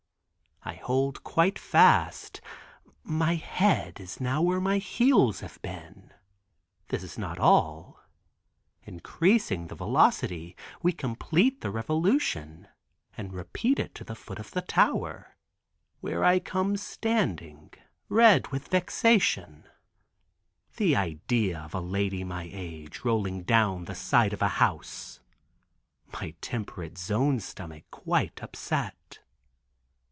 I hold quite fast. My head is now where my heels have been. This is not all; increasing the velocity we complete the revolution, and repeat it to the foot of the tower, where I come standing, red with vexation (the idea of a lady of my age rolling down the side of a house), my temperate zone stomach quite upset.